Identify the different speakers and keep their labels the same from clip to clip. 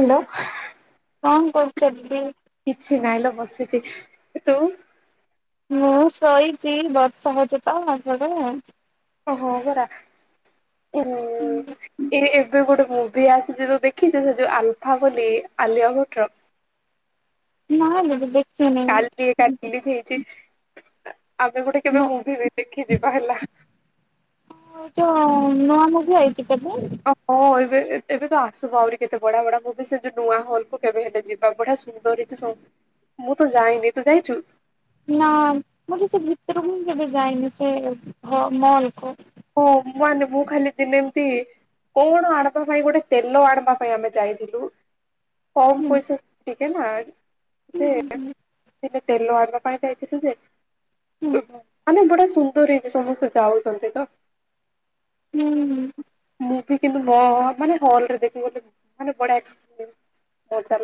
Speaker 1: Hello.
Speaker 2: କଣ କରୁଛନ୍ତି।
Speaker 1: କିଛି ନାହି ଲୋ ବସିଛି ତୁ।
Speaker 2: ମୁଁ ଶୋଇଛି ବର୍ଷା ହଉଚି ତ [inaudible]
Speaker 1: ଓହୋ ପରା ଏ ମୁଁ ଏବେ ଗୋଟେ ମୁ। ଭି ଆସିଛି ଯୋଉ ଦେଖିଛୁ ସେ ଯୋଉ ଆଲଫା ବୋଲି ଆଲିଆ ଭଟ୍ଟ ର।
Speaker 2: ନା ଲୋ ମୁ ଦେଖିନି।
Speaker 1: ଏଇଟା ରିଲିଜ୍ ହେଇଛି ଆମେ ଗୋଟେ କେବେ
Speaker 2: ମୁଁ
Speaker 1: ମୁଭି ଦେଖି ଯିବା ହେଲା।
Speaker 2: ଏ ଯୋଉ ନୂଆ ମୁଭିି ଆଇଛି କାଲି।
Speaker 1: ହଁ ଏବେ ଏବେ ତ ଆସିବ ଆହୁରି କେତେ ବଢ଼ିଆ ବଢିଆ ମୁଭି ସେ ଯୋଉ ନୂଆ ହଲକୁୁ କେବେ ହେଲେ ଯିବା ବଢିଆ ଶୁ ସୁନ୍ଦର ହେଇଚି ସ ମୁଁ ତ ଯାଇନି ତୁ ଯାଇଛୁ।
Speaker 2: ନା ମୁଁ କିଛି ଭିତରୁକୁ ହିଁ କେବେ ଯାଇନି ସେ ହ ମଲ କୁ।
Speaker 1: ହଁଁ ମାନେ ମୁଁ ଖାଲି ଦିନେ ଏମତି। କଣ ଆଣିବା ପାଇଁ ଗୋଟେ ତେଲ ଆଣିବା ପାଇଁ ଆମେ ଯାଇଥିଲୁ। କମ
Speaker 2: ହୁଁ
Speaker 1: ପଇସା ଟିକେ ନା
Speaker 2: ହୁଁ
Speaker 1: ସେ
Speaker 2: ହୁଁ
Speaker 1: ହେଲେ ତେଲ ଆଣିବା ପାଇଁ ଯାଇଥିଲୁ ଯେ
Speaker 2: ହୁଁ
Speaker 1: ଆମେ ଯୋଉଟା ସୁ ସୁନ୍ଦର ହେଇଛି ସମସ୍ତେ ଯାଉଛନ୍ତି ତ।
Speaker 2: ହୁଁ।
Speaker 1: ମୁଭି କିନ୍ତୁ ମ ମାନେ ହଲ ରେ ଦେଖିବ ମାନେ ବଢିଆ ଏ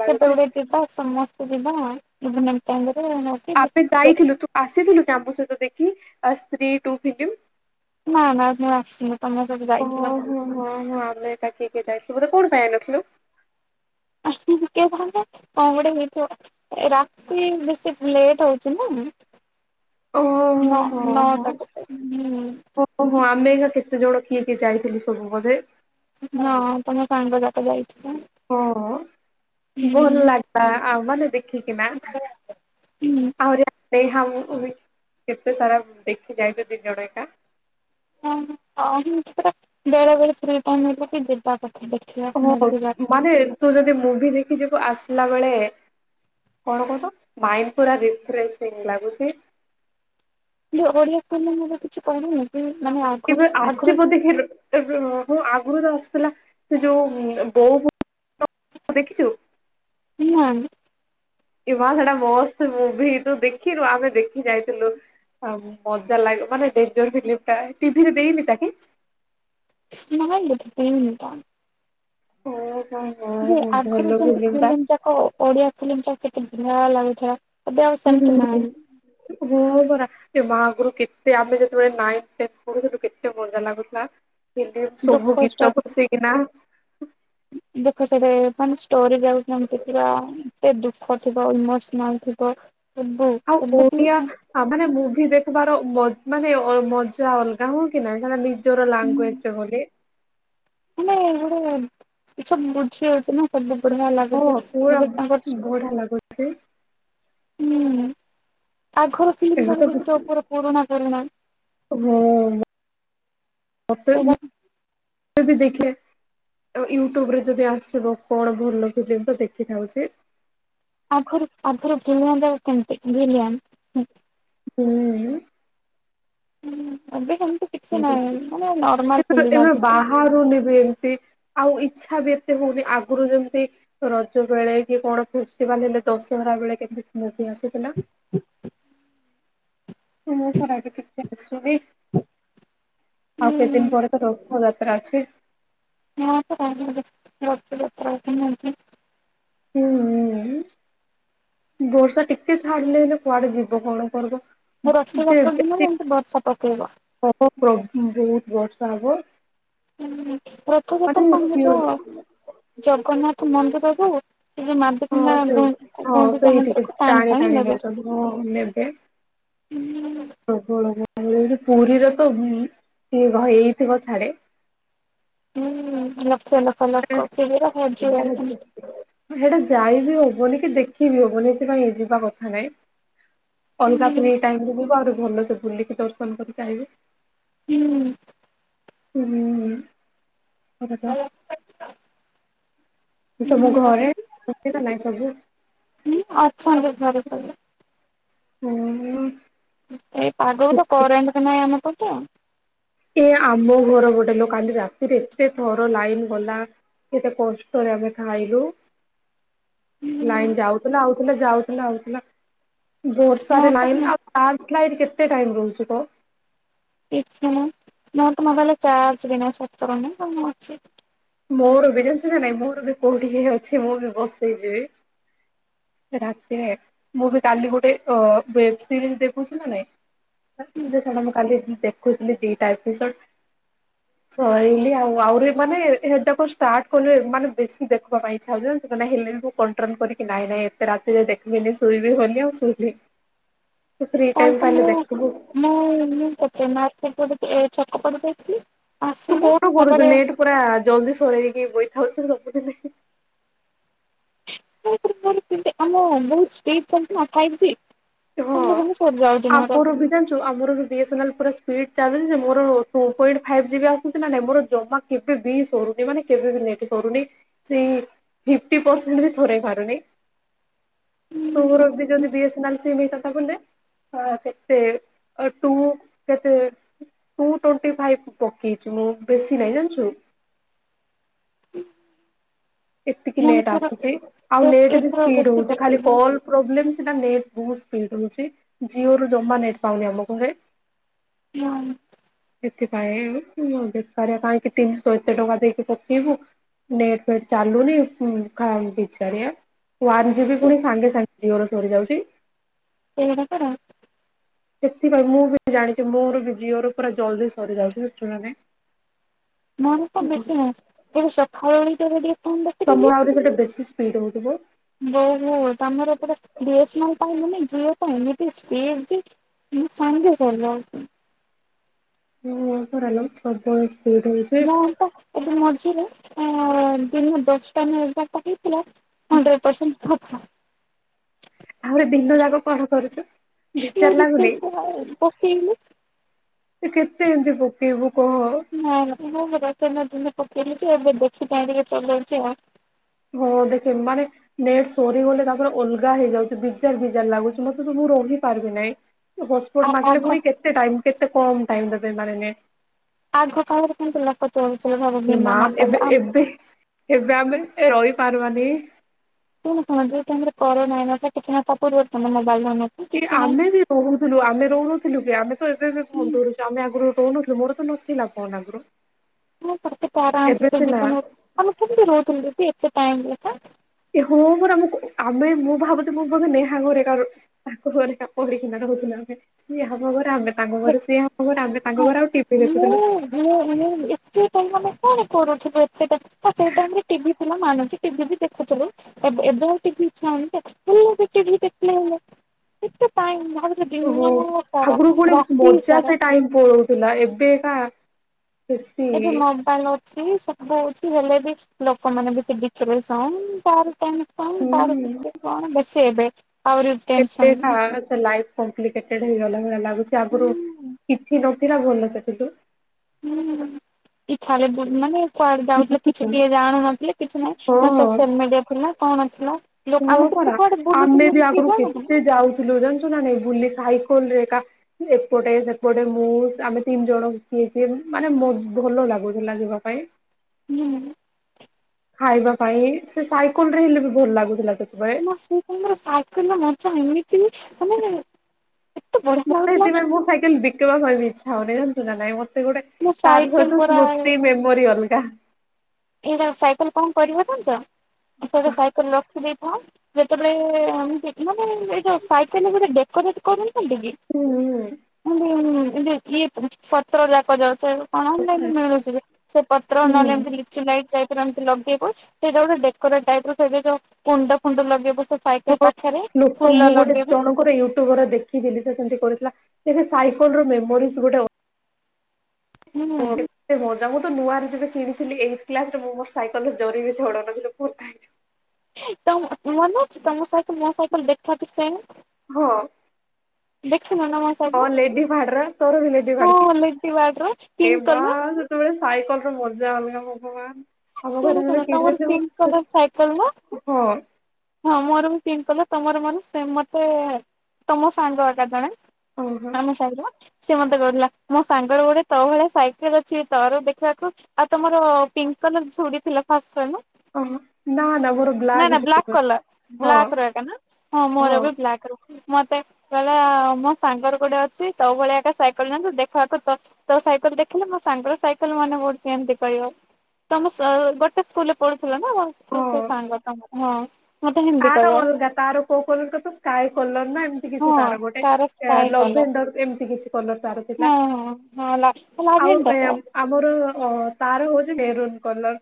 Speaker 2: କେବେ ଗୁଟେ ଯିବା ସମସ୍ତେ ଯିବା [inaudible]
Speaker 1: ଆମେ ଯାଇଥିଲୁ ତୁ ଆସିଥିଲୁ କି ଆମ ସହିତ ଦେଖି ଆ ସ୍ତ୍ରୀ ଟୁ ଫିଲିମ୍।
Speaker 2: ନା ନା ମୁଁ ଆସିନି ତୁମେ ସବୁ ଯାଇଥିଲ।
Speaker 1: ଉଁ ହୁଁ ଆମେ ଏକା କିଏ ଯାଇଥିଲୁ ବୋଧେ କଣ ପାଇଁ ଆଇନଥିଲୁ।
Speaker 2: [inaudible] କଣ ଗୋଟେ ହେଇଥିବ। ରାତି ବେଶୀ ଲେଟ୍ ହେଉଛି ନା। ନ
Speaker 1: ଓହୋ
Speaker 2: ନଅଟା କେତେ ହୁଁ।
Speaker 1: ହଁ ହଁ ଆମେ ଏକା କେତେ ଜଣ କିଏ କିଏ ଯାଇଥିଲି ସବୁ ବଧେ।
Speaker 2: ହଁ ତମେ ସାଙ୍ଗ ଯାଇଥିଲ।
Speaker 1: ହଁ ଭଲ ଲାଗିଲା ଆ ମାନେ ଦେଖିକିନା।
Speaker 2: ହୁଁ।
Speaker 1: ଆହୁରି [inaudible] କେତେ ସାରା ଦେଖି ଯାଇଛୁ ଦି ଜଣ ଏକା।
Speaker 2: ହଁ [inaudible] ବେଳେବେଳେ ଫ୍ରି ଟାଇମ୍ ହେଲେ କି ଯିବା। କଥା ଦେଖିବା
Speaker 1: ହଁ
Speaker 2: ମୁଭି ବା
Speaker 1: ମାନେ ତୁ ଯଦି ମୁଭି ଦେଖି ଯିବୁ ଆସିଲା ବେଳେ। କଣ କହିଲୁ ମାଇଣ୍ଡ ପୁରା ରଫ୍ରସିଂ ଲାଗୁଛି।
Speaker 2: ଏ ଓଡିଆ ଫିଲ୍ମ କିଛି ପଡିନି କି ମାନେ ଆଗ ଆଗରୁ।
Speaker 1: ଦେଖଲ। ଏ ବେ ନୁହଁ ମ ଆଗରୁ ଯୋଉ ଆସିଥିଲା ସେ ଯୋଉ ବୋଉ ଫୁଟୁ ଭୁତ ଦେଖିଛୁ।
Speaker 2: ନାଇଁ।
Speaker 1: ଇ ମା ସେଇଟା ମସ୍ତ ମୁଭି ତୁ ଦେଖିନୁ ଆମେ ଦେଖି ଯାଇଥିଲୁ। ଆଉ ମଜା ଲାଗିବ ମାନେ ଡେନଞଜର ଫିଲ୍ମ୍ ଟା ଟିଭିରେ ଦେଇନି ତାକି।
Speaker 2: [unintelligible]
Speaker 1: ଓ ହୋ
Speaker 2: ଯେ
Speaker 1: ହୋ
Speaker 2: ଆଗରୁ
Speaker 1: ଭଲ
Speaker 2: ଯେମତି
Speaker 1: ଟା
Speaker 2: ଫିଲ୍ମ ଯାକ ଓଡିଆ ଫିଲ୍ମ ଯାକ କେତେ ଭଢିଆ ଲାଗୁଥିଲା। ଏବେ ଆଉ
Speaker 1: ହଁ ହଁ
Speaker 2: ସେମିତି ନାହିଁ
Speaker 1: ଯାହା ହେଉ ବରା। ଏଁ ମା ଆଗରୁ କେତେ ଆମେ ଯେତେବେଳେୁ ନାଇନି ଟେନ୍‌ ପଢୁଥିଲୁ କେତେ ମଜା ଲାଗୁଥିଲା। ହେଲେ
Speaker 2: ଦୁଃଖ
Speaker 1: ସବୁ ଗୀତ
Speaker 2: ଷ୍ଟୋରି
Speaker 1: ବସିକିନା
Speaker 2: ଦେଖ ସବୁ ମାନେ ଷ୍ଟୋରି ବିଆଗରୁ ଯେମିତି ଥିଲା ଏ ଦୁଖ ଥିବ ଇମୋସୋନାଲ ଥିବ। [unintelligible]
Speaker 1: ଆଁ ଭୋନା ମୁଭି ଦେଖିବାର ମାନେ ମଜା ଅଲଗା ହ କି ନାାଇଁ ନିଜର
Speaker 2: ହୁଁ
Speaker 1: ଲାଙ୍ଗୁଏଜ ବୋଲି
Speaker 2: ମାନେ ଗୋଟେ ସବୁ ବୁଝି ହଉଚି ନା ସବୁ ବଢିଆ ଲାଗୁଛି
Speaker 1: ହଁ ପୁରା
Speaker 2: ମତେ ତାଙ୍କର
Speaker 1: ବଢିଆ ଲାଗୁଚି।
Speaker 2: ହୁଁ ଆଗର ଫିଲ୍ମ
Speaker 1: ଏବେ ତ
Speaker 2: ସବୁ ଦେଖିଥିବ ପୁରୁଣା କରୁଣାଇ?
Speaker 1: ହଁ ମତେ
Speaker 2: ସେଇଟା
Speaker 1: ଦେଖିବାକୁ ଆଉ ୟୁଟ୍ୟୁବ ରେ ଯଦି ଆସିବ କଣ ଭଲ ଫିଲ୍ମ ତ ଦେଖିଥାଉଛେ
Speaker 2: ଆଗରୁ ଆଗରୁ ଭିଲିଆନ୍‌ ଲାଗେ କେମିତି ଭିଲିଆନ୍‌।
Speaker 1: ହୁଁ।
Speaker 2: [unintelligible] ମାନେ ନର୍ମାଲ
Speaker 1: ସେପଟେ
Speaker 2: ଫିଲ୍ମ
Speaker 1: ଏବେ
Speaker 2: ଆଜିକାଲି।
Speaker 1: ବାହାରୁ ନି ବି ଏମତି ଆଉ ଇଚ୍ଛା ବି ଏତେ ହଉନି ଆଗରୁ ଯେମିତି ରଜ ବେଳେ କି କଣ ଫେଷ୍ଟିଭାଲ ହେଲେ ଦଶହରା ବେଳେ କେମିତି ମୁଭି ଆସୁଥିଲା।
Speaker 2: [inaudible]
Speaker 1: ମୁଁ ପରା ଏବେ କେତେ ଆୁସୁନି? ଆଉ କେତେ
Speaker 2: ହୁଁ
Speaker 1: ଦିନ ପରେ ତ ରଥଯାତ୍ରା ଅଛି?
Speaker 2: [unintelligible]
Speaker 1: [unintelligible] ବର୍ଷା ଟିକେ ଛାଡ଼ିଲେ ହେଲେ କୁଆଡ଼େ ଯିବ କଣ କରିବ?
Speaker 2: ମୁଁ ରଥ ଯାତ୍ରା ଦିନ ଏମିତି ବର୍ଷା ପକେଇବ।
Speaker 1: ହେବ ପ୍ର ବହୁତ ବର୍ଷା ହେବ।
Speaker 2: ହୁଁ ପ୍ରଥମେ ତ ତମେ ଯ
Speaker 1: ସିଓର
Speaker 2: ଜଗନ୍ନାଥ ମନ୍ଦିର ରୁ ଟିକେ ମାନ କିମ୍ବା
Speaker 1: ହଁ ସେଇ
Speaker 2: ଗୁ
Speaker 1: ହଁ
Speaker 2: ଗୁଣ୍ଡିଚା
Speaker 1: ସେଇଠିକି
Speaker 2: ମନ୍ଦିରକୁ ଟାଣି ଟାଣି ନେବେ।
Speaker 1: ନେଉଛନ୍ତି ହଁ ନେବେ।
Speaker 2: ହୁଁ।
Speaker 1: ପ୍ରବଳ ମୁ କଇଲି ପୁରୀରେ ତ କି ଗହଳି ହେଇଥିବ ଛାଡ଼େ?
Speaker 2: ହୁଁ ଲକ୍ଷ ଲକ୍ଷ ଲୋକ ସିବିର ହଜିଯାଉଥିନି?
Speaker 1: ସେଇଟା ଯାଇବି ହବନି କି ଦେଖିବି ହବନି ଏଥିପାଇଁ ଯିବା କଥା ନାଇଁ। ଅଲଗା ଫ୍ରି ଟାଇମରେ ଯିବ ଆହୁରି ଭଲସେ ବୁଲିକି ଦର୍ଶନ କରିକି ଆସିବ।
Speaker 2: ହୁଁ।
Speaker 1: ହୁଁ ମତେ ତ ତମ ଘରେ ଅଛି ନା ନାଇଁ ସବୁ?
Speaker 2: ହଁ ଆଛନ୍ତି ଘରେ ସବୁ।
Speaker 1: ହୁଁ ହୁଁ
Speaker 2: ଏଇ ପାଗକୁତ କରେଣ୍ଟ ନାହିଁ ଆମପଟେ ଆଉ।
Speaker 1: ଏ ଆମ ଘର ପଟେ ଲୋ ରାତିରେ ଏତେ ଥର ଲାଇନ ଗଲା। କେତେ କଷ୍ଟରେ ଆମେ ଖାଇଲୁ। ଲାଇନ ଯାଉଥିଲା ଆଉଥିଲା ଯାଉଥିଲା ଆଉଥିଲା
Speaker 2: ମୋର
Speaker 1: ବର୍ଷାରେ
Speaker 2: ତ
Speaker 1: ଲାଇନ ଚାର୍ଜ ଲାଇଟ କେତେ ଟାଇମ ରହୁଚି କହ
Speaker 2: କିଛି ନାହିଁ ମୋର ତ ମୋବାଇଲ ରେ ଚାର୍ଜ ବି ନାହିଁ [unintelligible]
Speaker 1: ମୋର ବି [unintelligible] ନାଇଁ ମୋର ବି କୋଉଠି ଅଛି ମୁଁ ବି ବସେଇ ଯିବି। ରାତିରେ ମୁଁ ବି କାଲି ଗୋଟେ ଓ ବେସିରିଜ ଦେଖୁଛି ନା ନାଇଁ। [unintelligible] [unintelligible] ଦି ଟା ଏପିସୋଡ୍ ପଳେଇଲି ଆଉ ଆହୁରି ମାନେ ଏଇଟା କୁ ଷ୍ଟାର୍ଟ କଲେ ମାନେ ବେଶୀ ଦେଖିବା ପାଇଁ ଇଚ୍ଛା ହଉଛି ଜାଣିଛୁ ନା ନାଇଁ ହେଲେ ବି ମୁଁ କଣ୍ଟ୍ରୋଲ କରିକି ନାଇଁ ନାଇଁ ରାତିରେ ଦେଖିବିନି ଶୋଇବି ବୋଲି ଆଉ ଶୋଇଲି। ତୁ ଫ୍ରି
Speaker 2: କଲି
Speaker 1: ଟାଇମ
Speaker 2: ତ
Speaker 1: ପାଇଲେ
Speaker 2: ମୁଁ
Speaker 1: ଦେଖିବୁ।
Speaker 2: ମୁଁ ମୁଁ [unintelligible] ଛକ ପଟେ ଯାଇଥିଲି।
Speaker 1: ତୁ
Speaker 2: ଆସିଲି
Speaker 1: କୋଉଠୁ କରୁଛୁ
Speaker 2: ତାପରେ
Speaker 1: ନେଟ ପୁରା ଜଲଦି ସରେଇକି ବଇଥାଉ ସବୁଦିନେ।
Speaker 2: [unintelligible] ଆମ ବହୁତ ସ୍ପିଡ୍ ଚାଲୁଛି ନା ଫାଇପ ଜି। ସଙ୍ଗେ ସଙ୍ଗେ ସରି ଯାଉଛି ମୋର।
Speaker 1: ଯୋଉ ଆମରବି ବି ଏସ ନାଲ୍ ପୁରା ସ୍ପିଡ୍ ଚାଲୁଛି ଯେ ମୋର ଟୁ ପଏଣ୍ଟ ଫାଇପ ଜିବି ଆସୁଛି ନା ନାଇଁ, ମୋର ଜମା କେବେ ବି ସରୁନି ମାନେ କେବେ ବି ନେଟ ସରୁନି। ସେ ଫିପଟି ପର୍ସେଣ୍ଟ ବି ସରେଇ ପାରୁନି।
Speaker 2: ହୁଁ
Speaker 1: ତୋର ବି ଯଦି ବି ଏସ ନାଲ୍ ସିଏ ବି ହେଇଥାନ୍ତା ଖଣ୍ଡେ, କେତେ ଟୁ କେତେ ଟୁ ଟ୍ୱଣ୍ଟି ଫାଇଭ ପକେଇଛି ମୁଁ ବେଶୀ ନାଇଁ ଜାଣିଛୁ।
Speaker 2: ହୁଁ।
Speaker 1: ଏତିକି ନେଟ୍ ଆସୁଛି ଆଉ
Speaker 2: ଏ
Speaker 1: ନେଟ୍ ବି
Speaker 2: ଏଥର
Speaker 1: ସ୍ପିଡ
Speaker 2: ବେଶୀ
Speaker 1: ହଉଛି ଖାଲି
Speaker 2: ପକେଇବି।
Speaker 1: କଲ୍ ପ୍ରୋବ୍ଲେମ ସେଟା ନେଟ୍ ବହୁତ ସ୍ପିଡ ହଉଛି ଜିଓ ରୁ ଜମା ନେଟ୍ ପାଉନି ଆମ ଘରେ।
Speaker 2: [unintelligible]
Speaker 1: ସେଥିପାଇଁ ବେକାରିଆ କାହିଁକି ତିନିଶହ ଏତେ ଟଙ୍କା ଦେଇକି ପକେଇବୁ। ନେଟ୍ ଫେଟ୍ ଚାଲୁନି ହୁଁ ଖା ବିଚାରିଆ। ୱାନ୍ ଜିବ ବି ପୁଣି ସାଙ୍ଗେ ସାଙ୍ଗେ ଜିଓର ସରିଯାଉଛି।
Speaker 2: ସେଇ ଗୋଟାକ କର।
Speaker 1: ସେଥିପାଇଁ ମୁଁ ବି ଜାଣିଛିି ମୋର ଜିଓ ର ପୁରା ଜଲଦି ସରିଯାଉଛି ଜଣା ନାହିଁ।
Speaker 2: ମୋର ତ ବେଶି ହଉଛି ଏବେ ସଖାଳ ଓଳି ଟିକେ ଫୋନ୍ ଦେ
Speaker 1: ତମର ଆହୁରି ସେଟା ବେଶୀ ସ୍ପିଡ ହଉଥିବ।
Speaker 2: ବହୁତ ତମର ପରା ବି ଏସ ନାଲ୍ ପାଇବନି ଜିଓ ପାଇଁ ଏତେ ସ୍ପିଡ ଜେ ହଁ ସାଙ୍ଗେ [unintelligible]
Speaker 1: ହଁ [unintelligible] ପ୍ରବଳ ସ୍ପିଡ୍ ହଉଛି।
Speaker 2: ମୁଁ ତ ଏବେ ମଝିରେ ଦିନ ଦଶଟା ନା ଏଗାର ଟାକୁ ପୁରା ହଣ୍ଡ୍ରେଡ ପସେଣ୍ଟ ଫଫା।
Speaker 1: ଆହୁରି ଦିନ ଯାକ କଣ କରୁଛୁ?
Speaker 2: ମୁଁ
Speaker 1: ବିଚାର ଲାଗୁନି
Speaker 2: ରିଚାର୍ଜ
Speaker 1: ଯେ
Speaker 2: ଶହେ ପକେଇଲି।
Speaker 1: ତୁ କେତେ ଏମିତି ପକେଇବୁ କହ?
Speaker 2: ହଁ ମୁଁ [unintelligible] ପକେଇଲି ଯେ ଏବେ ଦେଖି ଚାହିଁ ଟିକେ ଚଲଉଛି ଆଉ।
Speaker 1: ହଁ ଦେଖେ ମାନେ ନେଟ୍ ସରିଗଲେ ତାପରେ ଅଲଗା ହେଇଯାଉଛି ବିଜାର ବିଜାର ଲାଗୁଛି ମତେତ ମୁଁ ରହିପାରିବି ନାହିଁ। ହସ୍ଫୋଟ
Speaker 2: ଆଉ
Speaker 1: ମାଗିଲେ
Speaker 2: ଆଗ
Speaker 1: ପୁଣି କେତେ ଟାଇମ୍ କେତେ କମ ଟାଇମ୍ ଦେବେ ଏମାନେ ମାନେ।
Speaker 2: ଆଗ କାଳରେ କେମିତି ଲକ କଥା ହଉଥିଲେ
Speaker 1: ଏ ମା
Speaker 2: ବିନା
Speaker 1: ଏବେ
Speaker 2: ମୋବାଇଲ୍ ରେ। ଆମ
Speaker 1: ଏବେ ଏବେ ଆମେ ରହି ପାରିବାନି।
Speaker 2: [unintelligible] ପରିବର୍ତ୍ତନ ମୋବାଇଲ୍ ରେ ଆମେ।
Speaker 1: ଏ ଆମେ ବି କହୁଥିଲୁ ଆମେ ରହୁନଥିଲୁ କି ଆମେ ତ ଏବେ ଏବେ ଫୋନ କରୁଛୁ ଆମେ ଆଗରୁ ରହୁନଥିଲୁ ମୋର ତ ନଥିଲା ଫୋନ ଆଗରୁ।
Speaker 2: ମୁଁ ତତେତ ଆରାମଛି
Speaker 1: ଏବେ
Speaker 2: ସେ
Speaker 1: ସିନା
Speaker 2: ଜୀବନ ଆମେ କେମିତି ରହୁଥିଲୁ ଦଦି ଏତେ ଟାଇମରେ ତ।
Speaker 1: ଏ ହଁ ପରା ମୁଁ ଆମେ ମୁଁ ଭାବୁଛେ ମୁଁ କଣ କହନି ମୁଁ ନେହା ଘରେ କା ତାଙ୍କ ଘରେ ପଡିକିନା ରହୁଥିଲୁ ଆମେ ସଏ ହବରେ ଆମେ ତାଙ୍କ
Speaker 2: ଯେ
Speaker 1: ଘରେ ସିଏ ହବର [inaudible] ଆମେ ତାଙ୍କ ଘରେ ଆଉ ଟିଭି
Speaker 2: ମୁଁ
Speaker 1: ଦେଖୁଥିଲୁ।
Speaker 2: ମୁଁ ଏ ଟ [inaudible] କଣ କରୁଥିଲୁ ଏତେଟା ସେଇଟାମ ରେ ଟିଭି ଥିଲା ମାନୁଛି ଟିଭି ବି ଦେଖୁଥିଲୁ। ଏତିକେ ଛା ହଉଲେ କେତେ [inaudible]
Speaker 1: ଓହୋ
Speaker 2: ସାରା
Speaker 1: ଆଗରୁ ପୁଣି
Speaker 2: ରାତି
Speaker 1: ମଜା
Speaker 2: ସାରା
Speaker 1: ସେ ଟାଇମ ପଳଉଥିଲା ଏବେକା ବେଶୀ
Speaker 2: ଏବେ ମ ପାଇଁ ଅଛି ସବୁ ଅଛି ହେଲେ ବି ଲୋକମାନେ ବି ସେ ଦେଖ ସ ତାରି ପାଇଁ କଣ
Speaker 1: ହୁଁ
Speaker 2: ଚାରିପାର୍ଶ୍ୱ କଣ ବେଶୀ ଏବେ ଆହୁରି
Speaker 1: କେତେ
Speaker 2: ଟେନସନ୍
Speaker 1: ଖାସ ସେ ଲାଇଫ କମ୍ପ୍ଲିକେଟେଡେ ହେଇଗଲା ଭଳିଆ ଲାଗୁଛି ଆଗରୁ
Speaker 2: ହୁଁ।
Speaker 1: କିଛି ନଥିଲା ଭଲ ସେ ଥିଲୁ।
Speaker 2: ହୁଁ ଏ ଇଛାଡ଼େ ବୁଲ ମାନେ କୁଆଡେ ଯାଉଥିଲେ କିଛି କିଏ ଜାଣୁନଥିଲେ କିଛି ନାହିଁ ନା ସୋସିଆଲ ମିଡିଆ ଥିଲା କଣ ଥିଲା। ଲୋକ
Speaker 1: ସେ
Speaker 2: ଆମେ କେତେ
Speaker 1: ପରା
Speaker 2: କୁଆଡେ
Speaker 1: ଆମେ
Speaker 2: ବୁଲୁଥିଲେ
Speaker 1: ବି
Speaker 2: କିଏ
Speaker 1: ଆଗରୁ
Speaker 2: ଜାଣୁଥିଲା
Speaker 1: କେତେ ଯାଉଛୁ ିଲୁ ଜ ତୁ [inaudible] ନା ନ ବୁଲଲି ସାାଇ ଖୋଲରେ ଏକା। ଏପଟେ ସେପଟେ ମୁଁ ଆମେ ତିନି ଜଣ କିଏ କିଏ ମାନେ ମ ଭଲ ଲାଗୁଥିଲା ଯିବା ପାଇଁ।
Speaker 2: ହୁଁ।
Speaker 1: ଖାଇବା ପାଇଁ ସେ ସାଇକେଲ ରେ ହେଲେ ବି ଭଲ ଲାଗୁଥିଲା ସେତେବେଳେ।
Speaker 2: ସେ ସମୟରେ ସାଇକେଲ ର ମଜା ଏମିତି ବି ମାନେ ଏତେ ବଢିଆ
Speaker 1: ମତେ
Speaker 2: ଲାଗୁଥିଲା
Speaker 1: ସେଥିପାଇଁ ମୋ ସାଇକେଲ ବିକିବା ପାଇଁ ଵି ଇଛା ହଉନି ଜାଣିଛୁ ନା ନାଇଁ ମତେ ଗୋଟେ
Speaker 2: ମୁଁ
Speaker 1: ତାର
Speaker 2: ସାଇକେଲ
Speaker 1: ସହିତ
Speaker 2: ପରା
Speaker 1: ସ୍ମୃତି ମେମୋରି ଅଲଗା।
Speaker 2: ଏଇଟା ସାଇକେଲ କଣ କରିବ ଜାଣିଛ ସେଟା ସାଇକେଲ ରଖି ଦେଇଥା ଯେତେବେଳେ ମାନେ ଏ ଯୋଉ ସାଇକେଲ ରେ ଗୋଟେ ଡେକୋରେଟ କରୁଛନ୍ତି କି।
Speaker 1: ହୁଁ ହଁ [inaudible]
Speaker 2: ହୁଁ ଇଏ ପତ୍ର ଯାକ ଯାଉଛ କଣ ପାଇଁ ମିଳୁଛି ସେ ପତ୍ର
Speaker 1: ହୁଁ
Speaker 2: ନହେଲେ ଏମିତି ନାଇଁ ସେ ପୁରା ଏମିତି ଲଗେଇବ ସେଇଟା ଗୋଟେ ଡେକୋରେଟ ଟାଇପର ସେଟ ଯୋଉ କୁଣ୍ଡ ଫୁଣ୍ଡ ଲଗେଇବ ସେ ସାଇକେଲ ପାଖରେ ଫୁଲ ଲଗେଇବୁ।
Speaker 1: ୟୁଟୁବ ରୁ ଦେଖ ଥିଲି ସେ କେମିତି କରୁଥିଲା ସାଇକଲ ର ମେମୋରୀସ ଗୋଟେ ହ
Speaker 2: ହୁଁ
Speaker 1: [inaudible] ସେ ମଜା ମୁଁ ତ ନୂଆ ରେ ଯେବେ କିଣିଥିଲି ଏଇଟ୍ କ୍ଲାସ ରେ ମୁଁ ମୋ ସାଇକେଲରେ ଜରି ବିି ଛଡଉନଥିଲି।
Speaker 2: ତ ମନେ ଅଛି ତମ ସାଇକେଲ ମୋ ସାଇକେଲ ଦେଖିଆକୁ ସେମ।
Speaker 1: ହଁ।
Speaker 2: ଦେଖିନ ନା ମନ
Speaker 1: ହଁ ଲେଡି ଭାଡରା ତୋର ବି ଲେଡି ଭାଡି କି
Speaker 2: ହଁ ଲେଡି ବାର୍ଡ ର
Speaker 1: ଏ
Speaker 2: ପିଙ୍କ
Speaker 1: ମା
Speaker 2: କଲର
Speaker 1: ସେତେବେଳେ ସାଇକେଲର ମଜା ଅଲଗା ଭଗବାନ। ଆମ ଘରେ
Speaker 2: ଶୁଣ
Speaker 1: ଯେବେ
Speaker 2: ଶୁଣ
Speaker 1: କିଣି
Speaker 2: ତମର
Speaker 1: ନଥିବୁ
Speaker 2: ପିଙ୍କ କଲର ସାଇକଲ ନା?
Speaker 1: ହଁ
Speaker 2: ହଁ ମୋର ବି ପିଙ୍କ୍ କଲର ତମର ମୋର ସେମ ମତେ ତମ ସାଙ୍ଗଟା ଜଣେ
Speaker 1: ଓହୋ।
Speaker 2: ଆମ ସାହିର ସିଏ ମତେ କହୁଥିଲା ମୋ ସାଙ୍ଗର ଗୋଟେ ତୋ ଭଳିଆ ସାଇକେଲେ ଅଛିି ତୋର ଦେଖିବାକୁ ଆଉ ତମର ପିଙ୍କ କଲର ଚୁଡି ଥିଲା ଫାଷ୍ଟରେ ନା।
Speaker 1: ହଁ ନା ନା ମୋର
Speaker 2: ନା-ନା ବ୍ଲାକ୍
Speaker 1: ଜୁପିଟର
Speaker 2: କଲର
Speaker 1: ହଁ
Speaker 2: ବ୍ଲାକ୍ ଏଟା ନା ହଁ ମୋର ବି ବ୍ଲାକ୍ ର, ମତେ କହିଲା ମୋ ସାଙ୍ଗର ଗୋଟେ ଅଛି ତୋ ଭଳିଆ ତା ସାଇକେଲ ଜାଣିଛୁ ଦେଖିବାକୁ ତ ତୋ ସାଇକେଲ ଦେଖିଲେ ମୋ ସାଙ୍ଗର ସାଇକେଲ ମନେ ପଡ଼ୁଛି ଏମିତି କହିବ, ତମ ସେ ଗୋଟେ ସ୍କୁଲରେ ପଢ଼ୁଥିଲ ନା ସେ-ସେ
Speaker 1: ହଁ
Speaker 2: ସାଙ୍ଗ ତମ ହଁ, ମତେ ହିନ୍ଦୀ
Speaker 1: ତାର
Speaker 2: କହିବ
Speaker 1: ଅଲଗା ତାର କୋଉ କଲର କ ତ ସ୍କାଏ କଲର ନା ଏମ୍, ସେ
Speaker 2: ହଁ
Speaker 1: କିଛି ତାର ଗୋଟେ
Speaker 2: ସ୍କାଏ କଲର
Speaker 1: ଲଭେଣ୍ଡର ଏମିତି କିଛି କଲର ତାର
Speaker 2: ହଁ
Speaker 1: ଥିଲା,
Speaker 2: ହଁ ହଁ ଲାଭ୍
Speaker 1: ଆଉ
Speaker 2: ଲାଭେଣ୍ଡ
Speaker 1: ଏ,
Speaker 2: କ,
Speaker 1: ଆମର ଅ ତାର ହଉଛି ମେରୁନ୍ କଲର୍,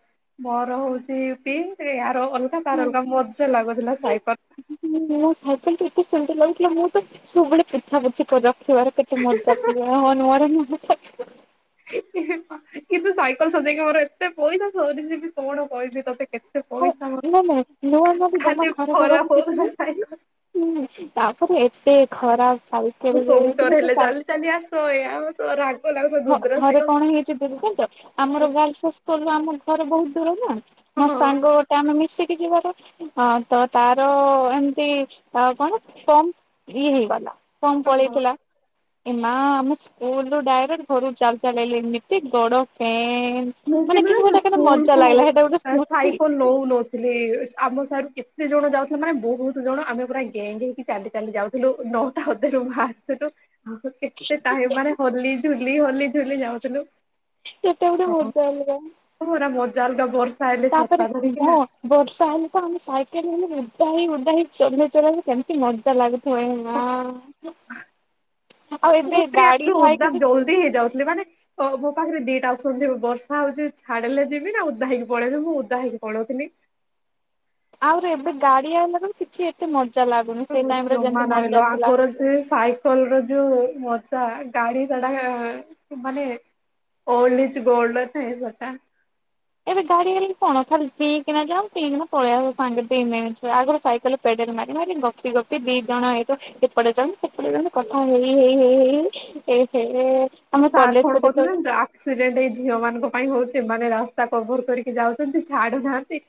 Speaker 1: ମୋର ହଉଛି ପିଙ୍କ୍ ଇଆର ଅଲଗା ତାର ଅଲଗା ମଜା ଲାଗୁଥିଲା ସାଇକଲ,
Speaker 2: ମୁଁ ସାଇକଲ ତ ଏତେ ସୁନ୍ଦର ଲାଗୁଥିଲା ମୁଁ ତ, ସବୁବେଳେ ପୋଛା ପୋଛି କରି ରଖିବାର କେତେ ମଜା ପ ନୁଆର [unintelligible]
Speaker 1: ହେ-ହେ ହଁ କିନ୍ତୁ ସାଇକେଲ ସଜେଇକି ମୋର ଏତେ ପଇସା ସରିଛି ବି କଣ କହିବି ତୋତେ କେତ୍
Speaker 2: ହଁ ନା-ନା ମୋର ଜମା
Speaker 1: ଖାଲି
Speaker 2: ଖରାପ୍
Speaker 1: ଖରାପ
Speaker 2: ହେବର କିଛି
Speaker 1: ହଉଥିଲା
Speaker 2: ନାହିଁ,
Speaker 1: ସାଇକେଲ
Speaker 2: ହୁଁ ତାପରେ ଏତେ ଖରାପ୍ ଚାଲ୍
Speaker 1: ପଞ୍ଚର୍ ହେଲେ ଚାଲି-ଚାଲି ଆସ ଏ ଆଉ ରାଗ ଲାଗ ଯୋଉ,
Speaker 2: ହଁ ଘରେ କଣ ହେଇଛି ଦୁର୍ କରିଛ, ଆମର ଗଲସା ସ୍କୁଲ ଆମ ଘର ବହୁତ୍ ଦୂର ନା ମୋ
Speaker 1: ହଁ
Speaker 2: ସାଙ୍ଗ ଗୋଟ୍ ତେ ଆମେ ମିଶିକି ଯିବାର ହଁ ତ ତାର ଏମିତି ଆଉ କଣ କମ୍, ଇଏ ହେଇଗଲା କମ୍
Speaker 1: ହଁ
Speaker 2: ପଳେଇଥିଲା ଏ ମା ଆମ ସ୍କୁଲରୁ ଡ଼ାଇରେଟ୍, ଘରୁ ଚାଲି-ଚାଲି ଆଇଲି ଏମିତି ଗୋଡ଼ ପେନ୍,
Speaker 1: ମୁଁ
Speaker 2: ମାନେ
Speaker 1: କିନ୍ତୁ
Speaker 2: କିଛି
Speaker 1: ଜାଣିଛୁ
Speaker 2: ଗୋଟେ କେତେ ମଜା
Speaker 1: ସ୍କୁଲକୁ
Speaker 2: ଲାଗିଲା ସେଇଟା ଗୋଟେ
Speaker 1: ସା
Speaker 2: ସ୍ମୃତି।
Speaker 1: ସାଇକଲ ନଉ-ନଉ, ଥିଲୁ ଆମର ସାରୁ କେତେ ଜଣ ଯାଉଥିଲେ ମାନେ ବହୁତ୍ ଜଣ ଆମେ ପୁରା ଗେଙ୍ଗ ହେଇକି ଚାଲି-ଚାଲି ଯାଉ, ଥିଲୁ ନଟା ଅଧରୁ ବାହାରଥିଲୁ, ଆଉ କେତେ ଟାଇମ୍ ମାନେ ହଲି ଝୁଲି ହଲି ଝୁଲି ଯାଉଥିଲୁ,
Speaker 2: ସେଟା ଗୋଟେ ମଜା ଅଲଗା,
Speaker 1: ହରା ମଜା ଅଲଗା ବର୍ଷା ହେଲେ
Speaker 2: ତାପରେ
Speaker 1: ଛତା ଧରିକି
Speaker 2: ହଁ
Speaker 1: ନା,
Speaker 2: ବର୍ଷା ହେଲେ ତ ଆମେ ସାଇକେଲ ହେଲେ ଉଦା ହେଇ ଉଦା ହେଇ ଚଲେଇ-ଚଲେଇ କେମିତି ମଜା ଲାଗୁଛି, ହୁଏ ମା ଆଉ ଏବେ ଗାଡ଼ି ଥାଇକି,
Speaker 1: ହେଇ ଯାଉଥିଲି ମାନେ, ଓ ମୋ ପାଖରେ ଦିଟା ଅପ୍ସନ୍ ଥିବ ବର୍ଷା ହଉଛି ଛାଡ଼ିଲେ ଯିବି ନା ଓଦା ହେଇକି ପଳେଇିବି ମୁଁ ଓଦା ହେଇକି ପଳଉଥିଲି,
Speaker 2: ଆହୁରି ଏବେ ଗାଡ଼ି ଆମର କିଛି ଏତେ ମଜା ଲାଗ୍
Speaker 1: ଜମା ନାଇଲୋ ଆଗରୁ ସେ ସାଇ କଲର ଯୋଉ ମଜା ଗାଡ଼ି ଗୁଡ଼ା ମାନେ, ଓଲଡ୍ ଇଯ୍ ଗୋଲଡ୍ ର ଥିଏ ସେଟା,
Speaker 2: ଏବେ ଗାଡ଼ି ହେଲେ କଣ ଖାଲିି ପି କିନା ଯିବ ପି କିନା ପଳେଇ ଆସିବ ସାଙ୍ଗେ ଦି ମିନିଟରେ ଆଗରୁ ସାଇକେଲ, ପେଡେଲ ମାରି-ମାରି ଗପି-ଗପି ଦି ଜଣ ହେଇବ, ସେପଟେ ଜଣେ ସେପଟେ ଜଣେ କଥା ହେଇ-ହେଇ-ହେଇ-ହେଇ- ହେଇ ଆମ
Speaker 1: ସାର୍ କଣ
Speaker 2: କଲେଜ
Speaker 1: କହୁଥିଲେ
Speaker 2: ଯେତେବେଳେ,
Speaker 1: ଜାଣିଛ ଆକ୍ସିଡେଣ୍ଟ ଏଇ ଝିଅ ମାନଙ୍କ ପାଇଁ ହଉଛି ଏମାନେ ରାସ୍ତା କଭର କରିକି ଯାଉଛନ୍ତି ଛାଡୁନାହାନ୍ତି,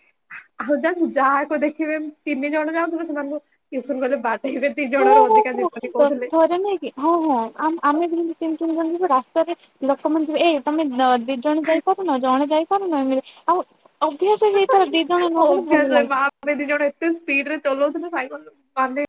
Speaker 1: ଆଉ ଜାଣିଛୁ ଯାହାକୁ ଦେଖିବେ ତିନି ଜଣ ଯାଉଥିଲେ ସେମାନଙ୍କୁ ଟୁସନ ଗଲେ ବାଡେଇବେ, ଦି ଜଣରୁ ଅଧିକାଯିବନୀ କହୁଥିଲେ,
Speaker 2: ହେଲା ନାହିଁକି? ହଁ-ହଁ ଆମ୍ ଆମେ ଯେମିତି ସେମିତି ତିନି ଜଣଙ୍କୁ ରାସ୍ତାରେ ଲୋକମାନେଙ୍କୁ ଯିବେ ଏଁ ତମେ ନ, ଦି ଜଣ ଯାଇପାରୁନ ଜଣେ ଯାଇପାରୁନା ଆମେ ଆଉଁ ଅଭ୍ୟାସ ହେଇଥାଏ ଦିଜଣ ନଗଲେ ଭଲ
Speaker 1: ଅଭ୍ୟାସ ମା
Speaker 2: ଲାଗେ,
Speaker 1: ଆମେ ଦି ଜଣ ଏତେ ସ୍ପିଡରେ ଚଲାଉଥିଲୁ ସାଇକେଲ ମାନେ,